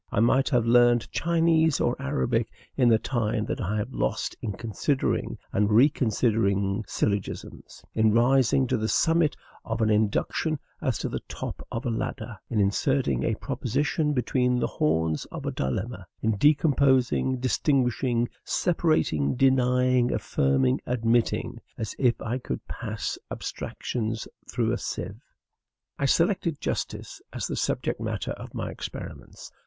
I might have learned Chinese or Arabic in the time that I have lost in considering and reconsidering syllogisms, in rising to the summit of an induction as to the top of a ladder, in inserting a proposition between the horns of a dilemma, in decomposing, distinguishing, separating, denying, affirming, admitting, as if I could pass abstractions through a sieve. I selected justice as the subject matter of my experiments.